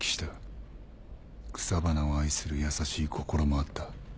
草花を愛する優しい心もあった。